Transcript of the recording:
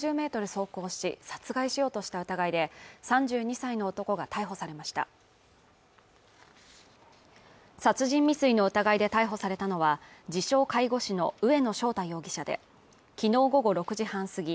走行し殺害しようとした疑いで３２歳の男が逮捕されました殺人未遂の疑いで逮捕されたのは自称介護士の上野翔太容疑者で昨日午後６時半過ぎ